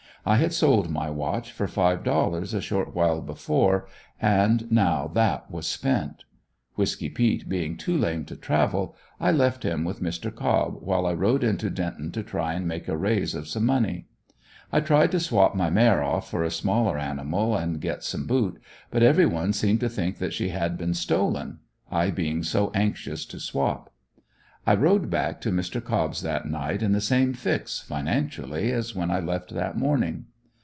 I had sold my watch for five dollars a short while before and now that was spent. Whisky peet being too lame to travel, I left him with Mr. Cobb while I rode into Denton to try and make a raise of some money. I tried to swap my mare off for a smaller animal and get some boot, but every one seemed to think that she had been stolen; I being so anxious to swap. I rode back to Mr. Cobb's that night in the same fix, financially, as when I left that morning.